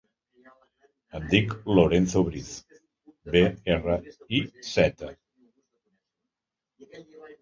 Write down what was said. Em dic Lorenzo Briz: be, erra, i, zeta.